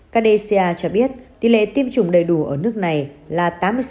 cadesia cho biết tỷ lệ tiêm chủng đầy đủ ở nước này là tám mươi sáu năm